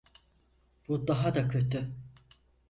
Bu daha da kötü.